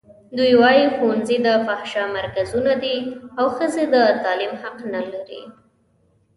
دوی وايي ښوونځي د فحشا مرکزونه دي او ښځې د تعلیم حق نه لري.